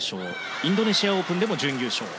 インドネシアオープンでも準優勝。